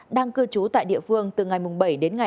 đang cư trú tại địa phương từ ngày bảy đến ngày hai mươi